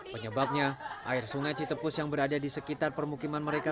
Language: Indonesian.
penyebabnya air sungai citepus yang berada di sekitar permukiman mereka